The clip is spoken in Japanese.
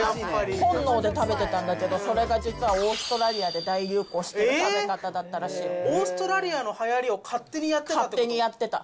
本能で食べてたんだけど、それが実はオーストラリアで大流行えー、オーストラリアのはやりを勝手にやってたの？